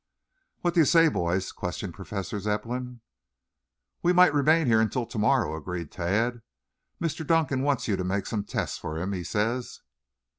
"What do you say, boys?" questioned Professor Zepplin. "We might remain here until tomorrow," agreed Tad. "Mr. Dunkan wants you to make some tests for him, he says."